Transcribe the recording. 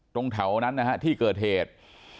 ตรงแถวนั้นนะฮะที่เกิดเหตุ